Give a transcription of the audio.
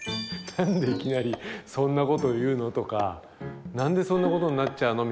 「何でいきなりそんなこと言うの？」とか「何でそんなことになっちゃうの？」